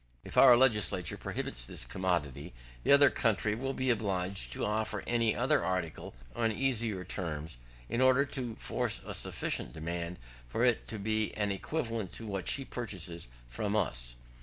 If our legislature prohibits this commodity, the other country will be obliged to offer any other article on easier terms, in order to force a sufficient demand for it to be an equivalent to what she purchases from us.